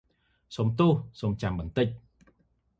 សុំទោស សូមចាំបន្តិច ។